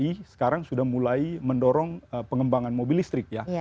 jadi pemprov dki sekarang sudah mulai mendorong pengembangan mobil listrik ya